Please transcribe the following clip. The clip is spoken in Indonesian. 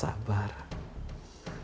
berkumpul bersama mereka